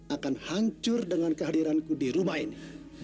akan hancur dengan kehadiranku di rumah ini